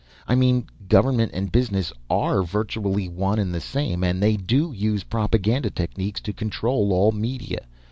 "I mean, government and business are virtually one and the same, and they do use propaganda techniques to control all media.